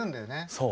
そう。